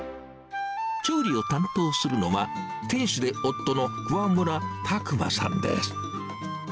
調理を担当するのは、店主で夫の桑村琢磨さんです。